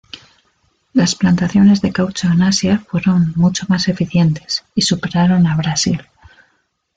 Las plantaciones de caucho en Asia fueron mucho más eficientes y superaron a Brasil.